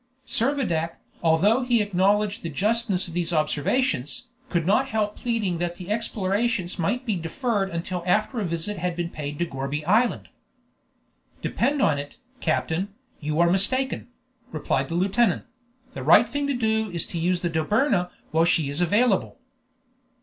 Servadac, although he acknowledged the justness of these observations, could not help pleading that the explorations might be deferred until after a visit had been paid to Gourbi Island. "Depend upon it, captain, you are mistaken," replied the lieutenant; "the right thing to do is to use the Dobryna while she is available."